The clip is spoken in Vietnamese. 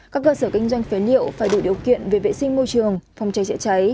các cơ sở kinh doanh phế liệu phải đủ điều kiện về vệ sinh môi trường phòng cháy chữa cháy